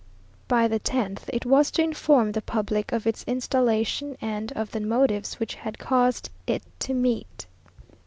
By the tenth, it was to inform the public of its installation, and of the motives which had caused it to meet.